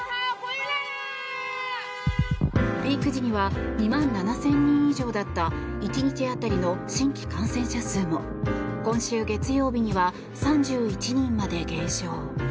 ピーク時には２万７０００人以上だった１日当たりの新規感染者数も今週月曜日には３１人まで減少。